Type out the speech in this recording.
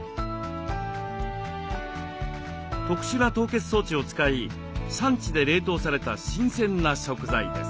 特殊な凍結装置を使い産地で冷凍された新鮮な食材です。